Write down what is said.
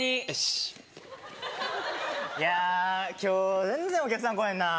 いや今日全然お客さん来ぉへんな。